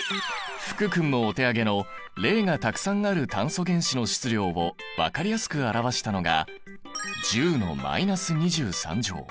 福君もお手上げの０がたくさんある炭素原子の質量を分かりやすく表したのが１０のマイナス２３乗。